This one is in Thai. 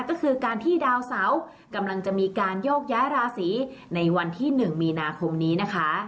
ก็คือการที่ดาวเสากำลังจะมีการโยกย้ายราศีในวันที่๑มีนาคมนี้นะคะ